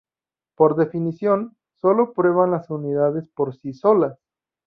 Por definición, sólo prueban las unidades por sí solas.